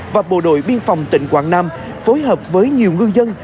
và bộ đội biên phòng tỉnh quảng nam phối hợp với nhiều ngư dân